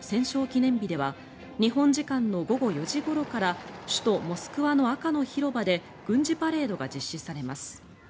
記念日では日本時間の午後４時ごろから首都モスクワの赤の広場で軍事パレードが実施されます。